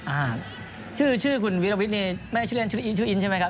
อ่าชื่อชื่อคุณวิรวิทย์นี่ไม่ได้ชื่อเล่นชื่ออินชื่ออินใช่ไหมครับ